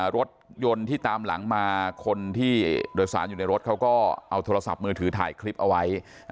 รถยนต์ที่ตามหลังมาคนที่โดยสารอยู่ในรถเขาก็เอาโทรศัพท์มือถือถ่ายคลิปเอาไว้